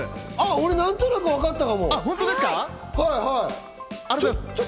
俺、何となくわかったかも。